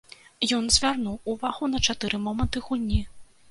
Ён звярнуў увагу на чатыры моманты гульні.